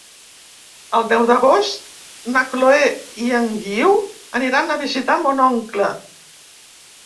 El deu d'agost na Chloé i en Guiu aniran a visitar mon oncle.